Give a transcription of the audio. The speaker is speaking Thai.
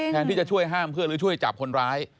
แทนที่จะช่วยห้ามเพื่อนหรือช่วยจับคนร้าย